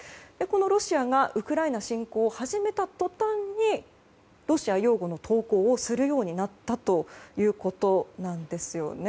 ロシアがウクライナ侵攻を始めた途端にロシア擁護の投稿をするようになったということなんですね。